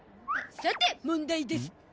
さて問題です。